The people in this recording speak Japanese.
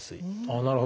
なるほど。